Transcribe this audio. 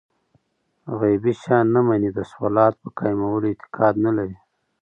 غيبي شيان نه مني، د صلوة په قائمولو اعتقاد نه لري